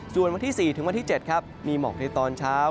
ส่วนวันที่๔๗มีหมอกในตอนเช้า